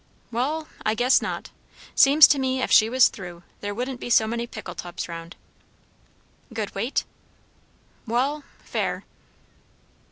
"Wall I guess not. Seems to me, ef she was through, there wouldn't be so many pickle tubs round." "Good weight?" "Wall fair."